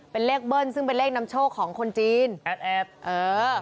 เป็นเลขเบิ้ลซึ่งเป็นเลขนำโชคของคนจีนแอดแอดเออ